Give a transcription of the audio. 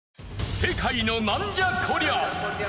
世界のナンじゃこりゃ！？